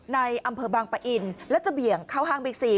ในอำเภอบางปะอินและจะเบี่ยงเข้าห้างบิ๊กซี